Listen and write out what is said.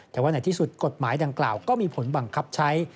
แต่ว่าในที่สุดกฎหมายดังกล่าวก็มีผลบังคับใช้